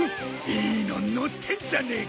いいのに乗ってるじゃねえか！